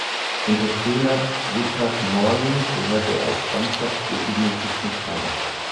Unter Trainer Rikard Norling gehörte er als Stammkraft regelmäßig zum Kader.